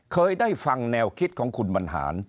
เคยได้ฟังแนวคิดของคุณบรรหาร